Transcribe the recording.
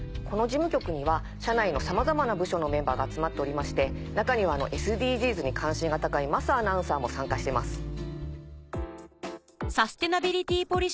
この事務局には社内のさまざまな部署のメンバーが集まっておりまして中にはＳＤＧｓに関心が高い桝アナウンサーも参加してます。